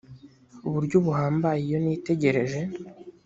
uburyo buhambaye iyo nitegereje